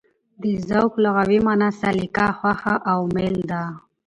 د ذوق لغوي مانا: سلیقه، خوښه او مېل ده.